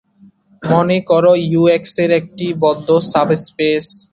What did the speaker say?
মনে কর "U" X এর একটি বদ্ধ সাবস্পেস।